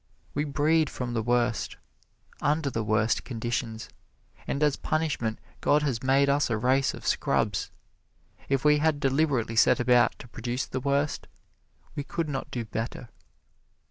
We breed from the worst, under the worst conditions, and as punishment God has made us a race of scrubs. If we had deliberately set about to produce the worst, we could not do better.